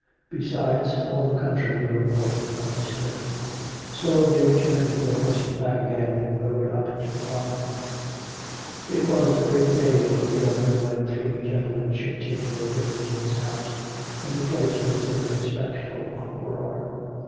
Besides^ all the country will know it by Easter." COME RACK! COME ROPE! 29 So they turned their horses back again and rode up to the farm. It was a great day for a yeoman when three gentlemen should take their dinners in his house; and the place was in a respectful uproar.